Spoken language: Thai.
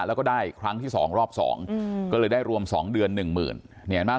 แล้วก็ได้ครั้งที่๒รอบ๒ก็เลยได้รวม๒เดือน๑๐๐๐๐บาท